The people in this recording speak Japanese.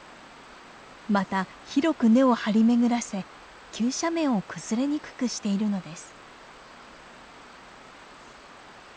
また広く根を張り巡らせ急斜面を崩れにくくしているのです。